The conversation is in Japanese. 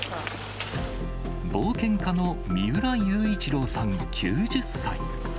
冒険家の三浦雄一郎さん９０歳。